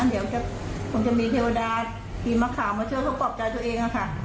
เดี๋ยวคงจะมีเทวดามีมะขามมาช่วยเขาปลอบใจตัวเองค่ะ